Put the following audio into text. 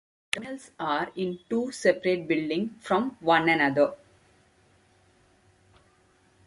The terminals are in two separate buildings from one another.